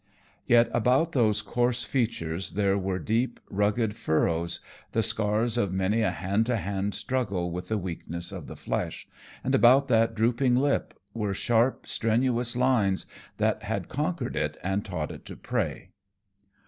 Yet about those coarse features there were deep, rugged furrows, the scars of many a hand to hand struggle with the weakness of the flesh, and about that drooping lip were sharp, strenuous lines that had conquered it and taught it to pray.